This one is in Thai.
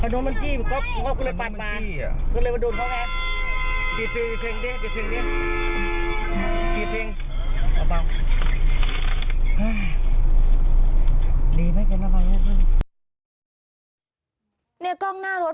ในกล้องหน้ารถ